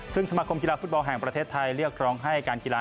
ซึ่งสมาคมกีฬาฟุตบอลแห่งประเทศไทยเรียกร้องให้การกีฬา